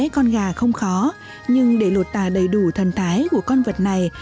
hai con gà không khó nhưng để lột tà đầy đủ thần thái của con vật này